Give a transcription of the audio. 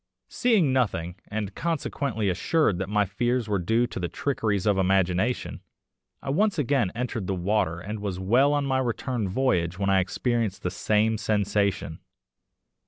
Seeing nothing, and consequently assured that my fears were due to the trickeries of imagination, I once again entered the water and was well on my return voyage when I experienced the same sensation.